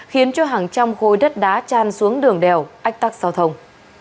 khiến cho hàng trăm khối đất đá chan xuống đường đèo ách tắc xao thông